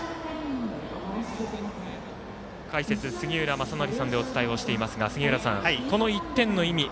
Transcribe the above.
解説、杉浦正則さんでお伝えしていますが杉浦さん、この１点の意味